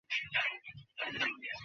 বললেন, রূহ কবয করার দায়িত্বে।